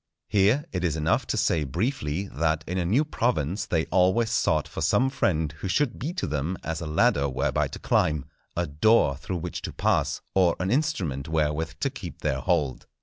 Here it is enough to say briefly, that in a new province they always sought for some friend who should be to them as a ladder whereby to climb, a door through which to pass, or an instrument wherewith to keep their hold.